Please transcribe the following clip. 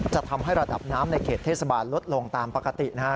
จะทำให้ระดับน้ำในเขตเทศบาลลดลงตามปกตินะครับ